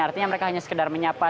artinya mereka hanya sekedar menyapa